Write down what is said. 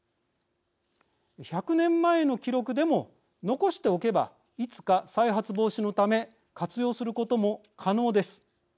１００年前の記録でも残しておけばいつか再発防止のため活用することも可能です。